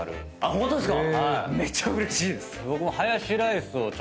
ホントですか⁉